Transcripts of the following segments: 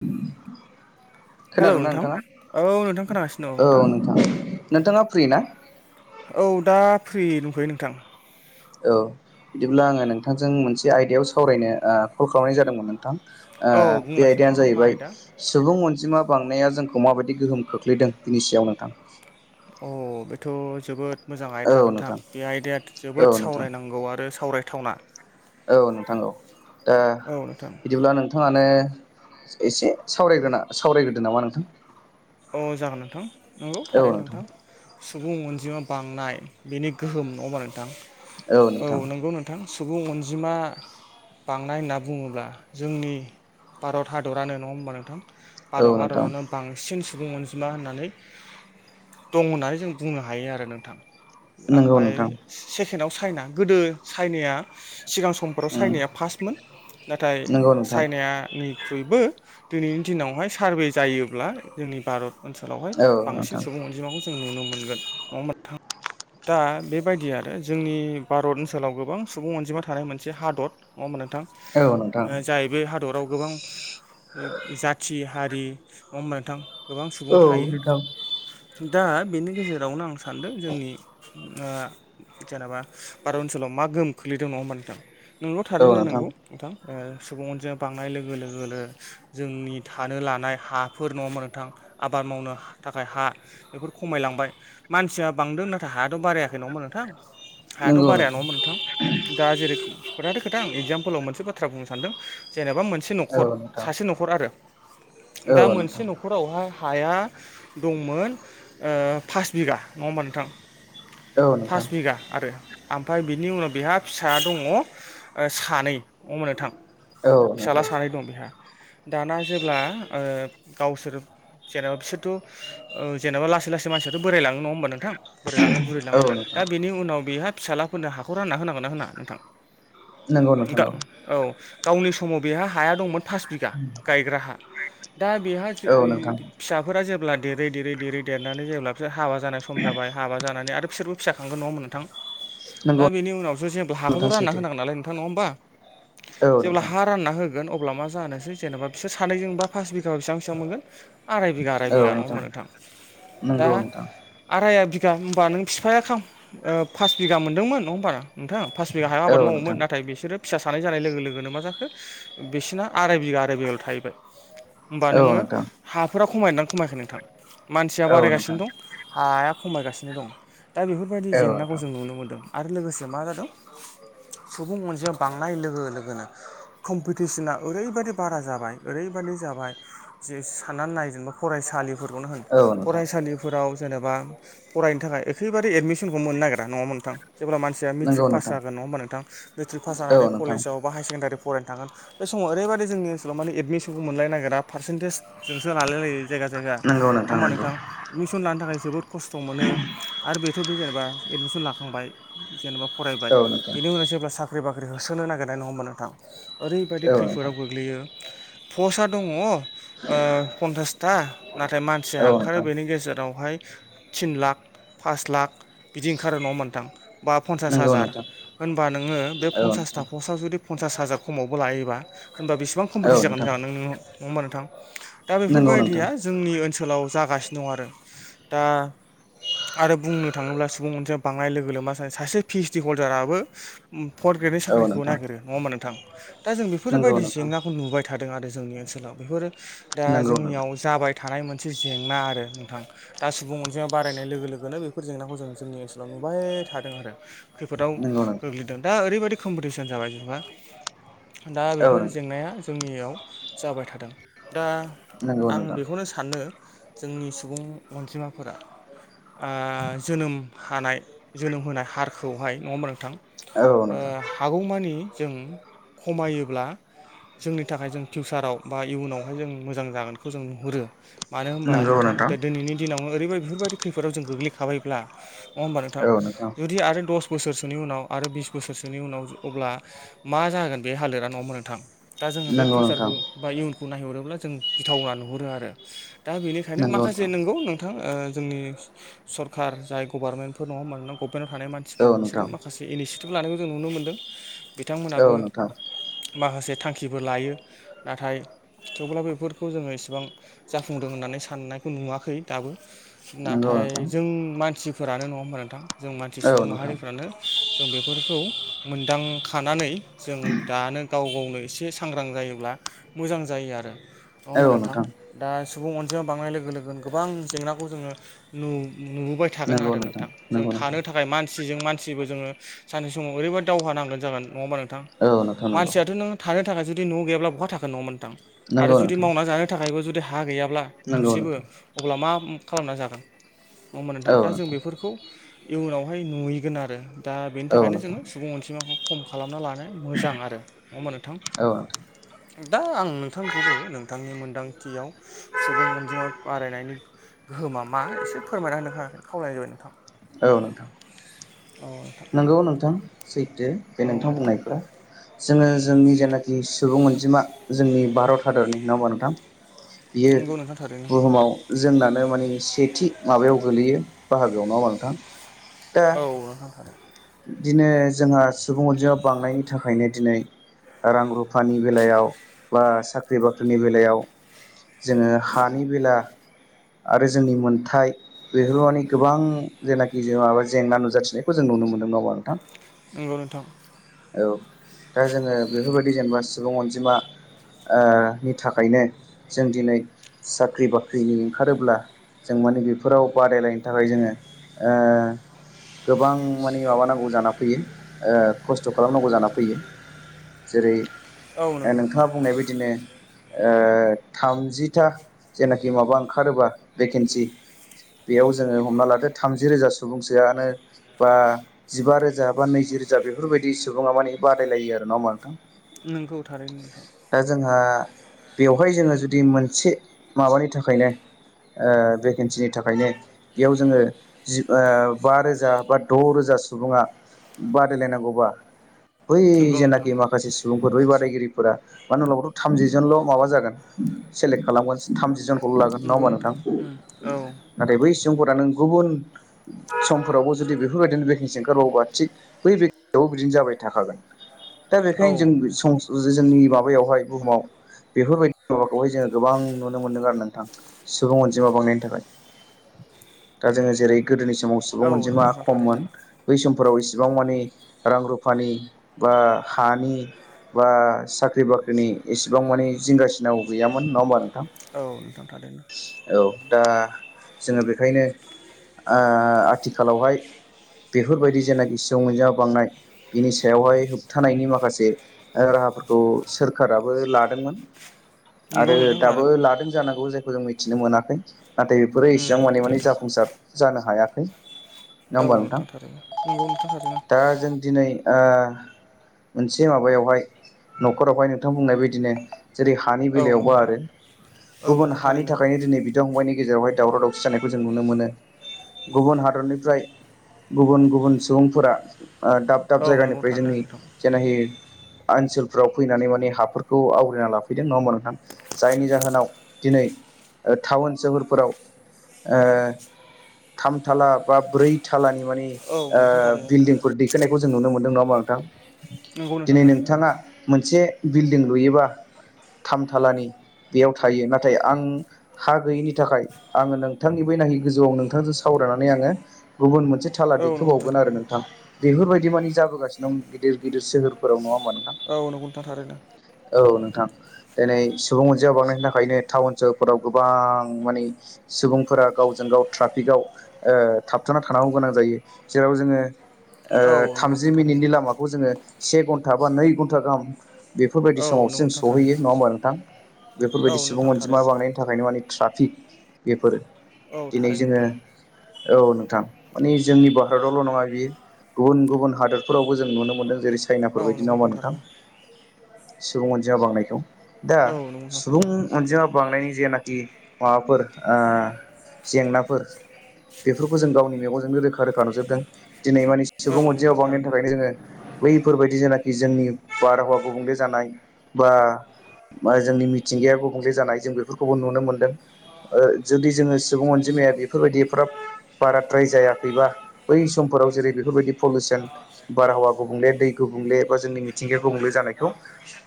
[unintelligible] Hello खोनादों ना नोंथां नोंथाङा औ नोंथां खोनागासिनो औ नोंथां नोंथाङा फ्रि ना? औ दा फ्रि दंथयो नोंथां। औ बिदिब्ला आङो नोंथांजों मोनसे आयदायाव सावरायनो ओ- कल खालामनाय जादोंमोन नोंथा? औ ओ-बे बुंनायसाय आयदायानो नोंथां मा जाहैबाय आयदा सुबुं अनजिमा बांनाया जों खौ माबायदि गोहोम खोख्लैदों बिनि सायाव नोंथां। औ बेथ जोबोद। मोजां आयदा नोंथां बे आयदाया औ जोबोद नोंथां सावरायनांगौ आरो सावरायथावना। औ नोंथां औ दा औ नोंथां बिदिब्ला नोंथाङानो। एसे सावरायोना सावरायग्रोदो नामा नोंथां। अ जागोन नोंथां नंगौ थारै नोंथां। सुबुं अनजिमा बांनाय बेनि गोहोम नङा होमा नोंथां औ नंगौ नोंथां। सुबुं अनजिमा बांनाय होनना बुङोब्ला जोंनि भारत हादरानो नङा होमबा नोंथां। औ भारत नोंथां हादरनो बांसिन। सुबुं अनजिमा होननानै दं होननानै जों बुंनो हायो आरो नोंथां। नंगौ ओमफाय नोंथां सेकेणडआव चाइना गोदो चाइनाया। सिगां समफोराव उम सायनाया फार्टमोन नाथाय नंगौ नोंथां सायना निख्रुइबो। दिनैनि दिनावहाय सारभे जायोब्ला जोंनि भारत ओनसोलावहाय औ बांसिन नोंथां सुबुं अनजिमाखौ। जों नुनो मोनगोन नङा होनबा नोंथां। दा बेबायदि आरो जोंनि भारत ओनसोलाव गोबां सुबुं अनजिमा थानाय मोनसे हादर नङा होनबा नो औ नोंथां जाय बे हादराव गोबां जाथि हारि नङा होनबा नोंथां। गोबां सुबुं औ थायो नोंथां दा बेनि गेजेरावनो आं सानदों जोंनि। ओ-जेनेबा भारत ओनसोलाव मा गोहोम खोलैदों नङा होमबा नोंथां । नोंगौ औ थारैनो नोंथां नांगौ नोंथां। ओ-सुबुंअनजिमा बांनाय लोगो लोगोन जोंनि थानो लानाय हाफोर नङा होनबा नोंथां आबाद मावनो थाखाय हा बेफोर खमायलांबाय मानसिया बांदों नाथाय हायाथ बारायाखै नङा होनबा नोंथां हायाथ बाराया नङामोन नोंथां दा जेरेखम खोथाथ खोथां एकजाम पलआव मोनसे बाथ्रा बुंनो सानदों जेनेबा बा मोनसे नश नखर औ नोंथां सासे नखर आरो दा औ मोनसे नोंथां नखरावहाय। हाया दंमोन ओ-फास बिगा नङा होमबा नोंथां । औ नोंथां फास बिगा आरो ओमफाय बिनि उनाव बेहा फिसा दङ सानै अ मोन नोंथां। औ फिसाज्ला नोंथां सानै दं बेहा दाना जेब्ला ओ-गावसोर। जेनेबा बिसोरथ ओ-जेनबा लासै लासै मानसियाथ बोरायलाङो नङा होनोमबा नोंथां। बोराय लाङो बुरै औ लाङो दा नोंथां बेनि उनाव बेहा फिसालाफोरनो हाखौ रानना होनांगोन ना होनाङा नोंथां। नंगौ नोंथां औ गावनि समाव बेहा हाया दंमोन फास बिगा गायग्रा हा दा बेहा औ नोंथां [unintelligible] फिसाफोरा जेब्ला देरै देरै देरै देरनानै जेब्ला बिसोर हाबा जानाय सम जाबाय हाबा जानानै आरो बिसोरबो फिसा खांगोन न नोंथां दा नंगौ बेनि उनावसो जेब्ला हाखौथ नोंथां रानना सैथो होनांगौ नालाय नोंथां नङा होमबा औ जेब्ला नोंथां हा रानना होगोन। अब्ला मा जानोसै जेनेबा बिसोर सानैजोंबा फास बिघा बेसेब बिसिबां मोनगोन‌ आराय बिगा आराय बिघा नङा होनबा नोंथां। दा नंगौ नोंथां आराइ आ बिगा होनोमबा नों बिफाया खाम ओ-पास बिगा मोनदोंमोन नङा होनबा नोंथां? पास बिगा हायाव औ आबाद मावोमोन नोंथां नाथाय बिसोरो। फिसा सानैानाय जानाय लोगो लोगोनो मा जाखो बिसिना आराय बिगा आराय बिगाल थाहैबाय। होमबा औ नोङो नोंथां हाफोरा खमायनानै खमायखै नोंथां मानसिया औ नोंथां बारायगासिनो दं हाया खमायगासिनो दं दा बेफोरबायदि औ जेंनाखौ नोंथां जों नुनो मोनदों आरो लोगोसे मा जादों? सुबुं अनजायाव बांनाय लोगो लोगोनो कम्पिटिसना ओरैबायदि बारा जाबाय ओरैबा जाब साननानै नायेनबा फसालिफोरखौनो होन औ नोंथां फसालिफोराव। जेनेबा फरायनो थाखाय ओखैबारि एदमिसनखौ मोननो नागिरा नङामोनथां। जेब्ला मानसिया नंगौ मेट्रिक पास नोंथां जागोन नङा होनबा नोंथां मेट्रिक पास औ ज नोंथां कलेजाव बा हायार सेकण्डारि फरायनो थांगोन बे समाव ओरैबायदि जोंनि ओनसोलाव माने एडमिसनखौ मोनलायनो नागिरा पारसेन्टेज जजोंसो लालाय लायो। जायगा जायगा नंगौ नंआ होमबा नंगौ नोंथां। एडमिसन लानो थाखाय जोबोद खस्थ' मोनो आरो बेथ' जेनेबा एडमिसन लाखांबाय जेनेबा फरायबाय औ नोंथां बिनि उनाव जेब्ला साख्रि बाख्रि होसोनो नागिरनाय नङा होनबा नोंथां। ओरैबायदि औ नोंथां खैफोदाव गोग्लैयो पसआ दङ पन्सासथा नाथाय मानसिया औ ओंखारो नोंथां बेनि गेजेरावहाय थिन लाख पास लाख बिदि ओंखारो न' मोनथां बा पन्सास नंगौ हाजार नोंथां होनबा नोङो बे औ पन्सासथा नोंथां पसास जुदि फथास हाजार खमावबो लायोबा होनोमबा बेबां औ कम्पिटिस जानो नोंथां जागोन न नङ होमा नोंथां। दा नंगौ नोंथां बेफोरबायदिया जोंनि ओनसोलाव जागासिनो दं आरो दा। आरो बुंनो थाङोब्ला सुबुं मोनसेया बाङनाय लोगो लोम मा सानो सासे पिसड हल्दाराबो फर्थ ग्रेडनि औ साख्रिखौ नोंथां नागिरो नङा होमा नोंथां! दा जों नंगौ बेफोरबायदि नोंथां जेंनाखौ नुबाय थादों आरो। जोंनि ओनसोलाव बेफोरो दा नंगौ नोंथां जोंनियाव जाबाय थानाय मोनसे जेंना आरो नोंथां दा सुबुं अनजिमाया बारायनाय लोगो लोगोनो बेफोर जेंनाखौ जों जोंनि ओनसोलाव थांबाय थादों आरो खैफोदाव नंगौ नोंथां गोग्लैदों दा ओरैबायाददि कम्पिटिसन जाबाय जुगा। दा औ बेफोर नोंथां जेंनाया जोंनियाव जाबाय थादों। दा नंगौ आं नोंथां बेखौनो सानो जोंनि सुबुं अनजिमाफोरा ओ जोनोम हानाय जोनोम होनाय हारखौहाय नङा होमबा नोंथां? औ ओ नोंथां हागौमानि जों खमायोब्ला जोंनि थाखाय जों फिउचाराव बा इयुनावहाय जों मोजां जागोनखौ जों नुहुरो मानो होनोमबा नोंथां ।दा दिनैनि दिनाव ओरैदि बेफोरबायदि खैफोदाव जों गोग्लैखाबायब्ला नङा होमबा नोंथां जुदि आरो दस बोसोरसोनि उनाव आरो बिस बोसोरसोनि उनाव अब्ला मा जागोन बे हालोदा न'मोन नोंथां। दा जोङो बे नंगौ नोंथां फिउचसारखौ बा इयुनखौ नायहरोब्ला जों गिथावना नुहरो आरो। दा बेनिखायनो नंगौ माखासे नोंथां नोंगौ नोंथां। जोंनि सरखारार जाय गभारनमेन्टफोर नङा मानोना गभमेन्टआव थानाय मानसिफोर औ नोंथां बिसोरबो माखासे इनिसिटि थिफ लानायखौ जों नुनो मोनदों बिथांमोनाबो औ नोंथां माखासे थांखिबो लायो नाथाय थेवब्ला बेफोरखौ जोङो इसेबां जाफुंदों होननानै साननायखौ नुवाखै दाबो। नंगौ नाथाय नोंथां जों मानसिफोरानो नङा होमबा नोंथां जों मानसि सुबुं औ नोंथां माहारिफ्रानो जों बेफोरखौ मोनदांखानानै जों दानो गाव गावनो एसे सांग्रां जायोब्ला मोजां जायो आरो नंङा होनबा नोंथां दा सुबुं अन जिमा बांनाय लोगो लोगोनो गोबां जेंनाखौ जोङो नु नुबोबाय थागोन नंगौ आरो नोंथां जों नंगौ नोंथां थानो थाखाय मानसिजों मानसि मानसिबो जोङो सानसेै समाव ओरैबाददि दावहा नांगोन जागोन नङा होमबा नोंथां औ नोंथां मानसियाथ' नों थानो थाखायसो न गैयाब्ला बहा थागोन नङा होमबा नोंथां आरो नंगौ नंगौ जुदि नोंथां मावनानै जानो थाखायबो जुदि हा गैया अब्ला नंगौ थोरसेबो नोंथां अब्ला मा खालामना जागोन नङा होमब नोंथां दा जों बेफोरखौ इयुनावहाय नुहैगोन आरो दा बेनि औ थाखायनो जोङो नोंथां सुबुं अनसजिमाखौ खम खालामना लानाया मोजां आरो नङा होमा नोंथां औ नोंथां दा आं नों- थांखौबो नोंथांनि मोनदांथियाव सुबुं अनजिमा बारायनायनि गोहोमा मा ए से फोरायना होनोहा खावलाय जाबाय नोंथां। औ नोंथां। औ नोंथां नोंगौ नोंथां सैथो बे नोंथां बुंनायफोरा। जोङो जोंनि जेनाखि सुबुं अनजिमा जोंनि भारत हादरनि नङा होमबा नोंथां।? बियो नंगौ नोंथां थारैनो बुहुमाव जोंनानो माने सेथि माबायाव गोलैयो बाहागोआव नङा होमबा नोंथां। औ [unintelligible] बिदिनो जोंहा सुबुं अनजिमा बांनायनि थाखायनो दिनै रां रुफानि बेलायाव बा साख्रि बाख्रिनि बेलायाव जोङो हानि बेला आरो जोंनि मोनथाय बेफोर माने गोबां जेनाखि जों माबा जेंना नुजाथिनायखौ जों नुनो मोनो नंगौ नोंथां। नोंगौ नोंथां औ दा जोङो बेफोरबायदि जेनेबा सुबुं अनजिमा ओ नि थाखायनो जों दिनै साख्रि बाख्रिनि ओंखारोब्ला जों माने बेफोराव बादायलायनो थाखाय जोङो ओ गोबां माने माबानांगौ जाना फैयो ओ खस्थ' खालामनांगौ जाना फैयो जेरै औ ओ नोंथां नोंथाङा बुंनाय बायदिनो ओ थामजिथा जेनाखि माबा ओंखारोबा भेकेन्सि बेयाव जोङो हमना लादो थामजि रोजा सुबुंसोआनो बा जिबा रोजा बा नैजि रोजा बेफोरबायदि सुबुङा माने बादायलायो आरो नङा होमबा नोंथां नोंगौ थारैनो नोंथां दा जोंहा बेवहाय जोङो जुदि मोनसे माबानि थाखायनो ओ भेकेन्सिनि थाखायनो बेयाव जोङो जि ओ बा रोजा बा द' रोजा सुबुङा बादायलायनांगौबा बै नोंथां नंगौ नोंथां जेनाखि माखासे सुबुंफोर बै बादायगिरि फोरा मानो लगावब्लाबथ' थामजि जोनल' माबा जागोन सेलेक्ट खालामगासिन थामजि जोनखौल' लागोन नङा नंगौ होमबा नोंथां उम औ नाथाय बै स जुंफोरा नों गुबुन समफोरावबो जुदि बे फोरबायदिनो भेकिनसि ओंखारबावोबा थिग बै भेक टावबो बिदिनो जाबाय थाखागोन। दा औ बेखायनो नोंथां जों सम जे जोंनि [unintelligible] बैयावहाय बुहुमाव बेफोरबायदि माबाखौहाय जोङो गोबां नुनो मोनदों आरो नोंथां सुबुं अनजिमा बांनायनि थाखाय दा जोङो जेरै गोदोनि समाव सुबुं औ अनजिमा नंगौ नोंथां थारैनो खममोन बै समफोराव इसेबां मानि रां रुफानि बा हानि बा साख्रि बाख्रिनि एसेबां मानि जिंगासिनांगौ गैयामोन नङा होमबा नोंथां औ नोंथां थारैनो औ दा जोङो बेखायनो आ आथिखालावहाय बेफोरबायदि जेनानि सियाव मोनजा बांनाय बिनि सायावहाय होबथानायनि माखासे ओ राहाफोरखौ सोरखाराबो लादोंमोन आरो नंगौ नोंथां दाबो लादों जानांगौ जायखौ जों मिथिनो मोनाखै नाथाय इफोरो उम एसिबां माने माने नोंथां जाफुंसार जानो हायाखै नङा औ होमबा नोंथां थारैनो नंगौ नोंथां थारैनो दा जों दिनै आह मोनसे माबायावहाय न'खरावहाय नोंथां बुंनाय बायदिनो जेरै हानि औ नंगौ बेलायावबो नोंथां आरो औ गुबुन नोंथां हानि थारैनो थाखायनो दिनै बिदा फंबायनि गेजेरावहाय दावराव दावसि जानायखौ जों नुनो मोनो गुबुन हादरनिफ्राय गुबुन गुबुन सुबुंफोरा ओ दाब दाब औ नंगौ जायगानिफ्राय थारैनो जोंनि नोंथां जेनाखि आनसोलफ्राव फैनानै माने हाफोरखौ आवग्रिना लाफैदों नङा होमबा नोंथां जायनि जाहोनाव दिनै ओ टाउन सोहोरफोराव ओ थामथाला बा ब्रै थालानि मानि औ ओ नोंथां थारैनो औ बिल्डिंफोर दैखोनायखौ जों नुनो मोन्दों नङा ओमबा नोंथां? नंगौ नोंथां दिनै थारैनो औ नोंथाङा मोनसे बिल्डिं लुयोबा थामथालानि बेयाव थायो नाथाय आं हा गैयिनि थाखाय आङो नोंथांनि बैनाखि गोजौआव नोंथांजों सावराय नानै आंङो गुबुन मोनसे थाला औ नंगौ दैखोबावगोन आरो थारैनो नोंथां। बेफोरबायदि मानि जाबोगासिनो दं गिदिर गिदिर सोहफोराव नङा ओमबा नों औ नोंगौ नोंथां थारै नोंथां। औ नोंथां। दिनै सुबुं अनजिमा बांनायनि थाखायनो टाउन सहरफोराव गोबां माने सुबुंफोरा गाव जों गाव ट्राफिकआव ओ थाब थाना थानांगौ गोनां जायो जेराव जोङो ओ थामजि मिनिटनि लामाखौ जोङो से घन्टा बा नै घन्टा गाहाम बेफोरबायदि औ समावसो नंगौ जों नोंथां सहैयो। थारैनो नङा होमबा नोंथां? औ बेफोरबायदि नंगौ सुबुं नोंथां थारैनो औ नोंथां अनजिमा थारैनो बांनायनि थाखायनो माने ट्राफिक बेफोरो औ दिनै थारैनो जोङो नोंथां औ नोंथां माने जोंनि भारतावल' नङा बियो गुबुन गुबुन हादोरफोरावबो जों नुनो मोनदों। जेरै चाइनाफोर औ बादि नङा नंगौ होमबा नोंथां? थारैनो सुबुं अनजिया बांनायखौ। दा औ नंगौ नोंथां थारैनो सुबुं अनजिमा बांनायनि जेना खि माबाफोर ओ जेंनाफोर बेफोर खौ जों गावनि मेगनजोंनो रोखा रोखा नुजोबदों। दिनै माने औ सुबुं नंगौ अनजिमाया नोंथां बांनायनि थारैनो थाखायनो जोङो बैफोरबायदि जेंना जेंनि, बारहावा गुबुंले जानाय बा जोंनि मिथिंगाया गुबुंले जानाय जों बेफोरखौबो नुनो मोनदों। ओ जुदि जोङो सुबुं अनजिमाया बेफोरबायदि एफाराब बाराद्राय जायाखैबा बै समफोराव जेरै बेफोरबायदि पलिुसन बारहावा गुबुंले, दै गुबुं ले एबा जों मिथिंगाखौ गुबुंले जानायखौ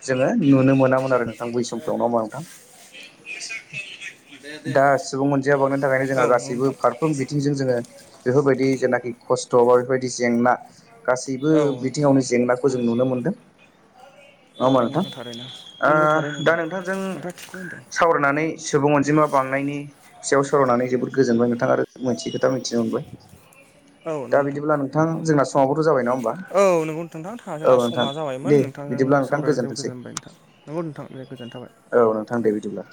जोङो नुनो मोनामोन आरो नोंथां बै समफ्राव। ना मा नोंथां? दा सुबुं अनजिमाया बावनो थाखायनो औ जोंहा नंगौ गासैबो नोंथां फारफ्रोम बि जों जोङो बेफोरबायदि जेनाखि खस्थ' बा बेफोरबायदि जेंना गासैबो औ बिथिङावनो जेंनाखौ जों नुनो मोनदों। नङा औ होमबा नंगौ नोंथां? थारैनो ओ नंगौ थारैनो दा नोंथां नोंथांजों नोंथाङा थिगखौनो सावरायनानै सुबुं अनजिमा बांनायनि सायाव सर'नानै जोबोद गोजोनबाय नोंथां आरो मोनथिगोन दा मिथिनो मोनबाय। होनदों औ दा नंगौ बिदिब्ला नोंथां जोंना समाबोथ' जाबाय नंङा ओम औ नोंगौ नोंथां जोंना समा दे जाबायमोन। नोंथांजों बिदिब्ला नोंथां सावरायनो जोबोद गोजोनथोंसै गोजोन मोनबाय नोंथां नोंगौ नोंथां। गोजोनाय थाबाय। औ नोंथां दे बिदिब्ला।